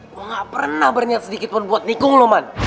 gue gak pernah berniat sedikit pun buat nikung lo man